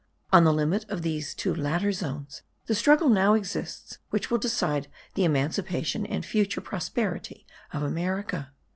On the limit of these two latter zones the struggle now exists which will decide the emancipation and future prosperity of America.